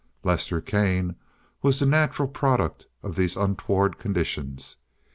Lester Kane was the natural product of these untoward conditions.